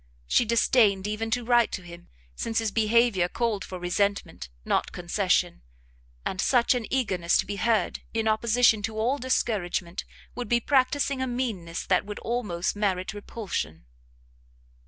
She disdained even to write to him, since his behaviour called for resentment, not concession; and such an eagerness to be heard, in opposition to all discouragement, would be practising a meanness that would almost merit repulsion.